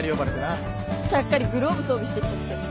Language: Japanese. ちゃっかりグローブ装備してきたくせに。